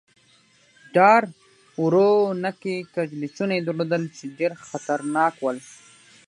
ډار و ر و نکي کږلېچونه يې درلودل، چې ډېر خطرناک ول.